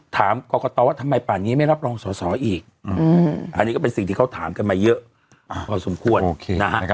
ถามกรกตว่าทำไมป่านนี้ไม่รับรองสอสออีกอันนี้ก็เป็นสิ่งที่เขาถามกันมาเยอะพอสมควร